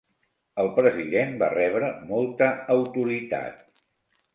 El president va rebre molta autoritat.